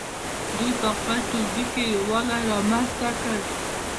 دوی په خپل ټولګي کې یووالی رامنځته کړ.